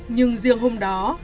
nhưng riêng hôm đó